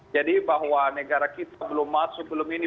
jadi bahwa negara kita belum masuk belum ini